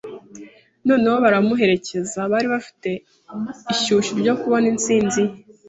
noneho baramuherekeza, bari bafite ishyushyu ryo kubona insinzi ye